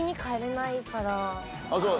あっそう。